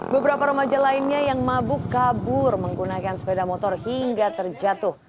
beberapa remaja lainnya yang mabuk kabur menggunakan sepeda motor hingga terjatuh